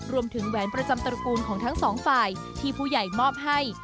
แหวนประจำตระกูลของทั้งสองฝ่ายที่ผู้ใหญ่มอบให้